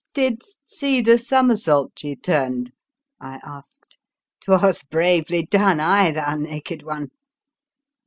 " Did'st see the somersault she turned?" I asked. M 'Twas bravely done, aye, thou naked one?"